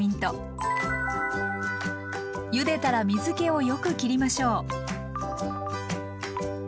ゆでたら水けをよく切りましょう。